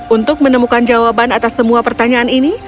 untuk menemukan jawaban atas semua pertanyaan ini